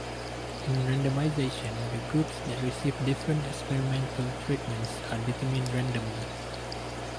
In randomization, the groups that receive different experimental treatments are determined randomly.